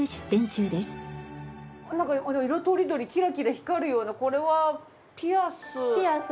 なんか色とりどりキラキラ光るようなこれはピアス。